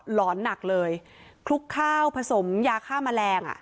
หอนหนักเลยคลุกข้าวผสมยาฆ่าแมลงอ่ะ